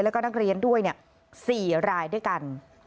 แล้วก็นักเรียนด้วย๔รายด้วยกัน